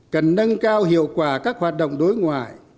cần nâng cao hiệu quả các hoạt động đối ngoại